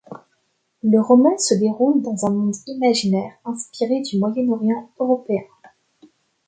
Le roman se déroule dans un monde imaginaire inspiré du Moyen Âge européen.